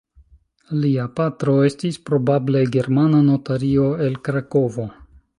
Lia patro estis probable germana notario el Krakovo.